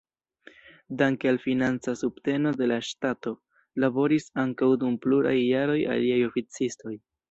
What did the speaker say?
Danke al financa subteno de la ŝtato, laboris ankaŭ dum pluraj jaroj aliaj oficistoj.